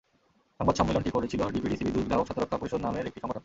সংবাদ সম্মেলনটি করেছিল ডিপিডিসি বিদ্যুৎ গ্রাহক স্বার্থরক্ষা পরিষদ নামের একটি সংগঠন।